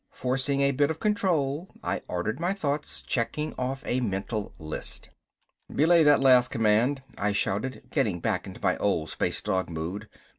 Forcing a bit of control, I ordered my thoughts, checking off a mental list. "Belay that last command," I shouted, getting back into my old space dog mood.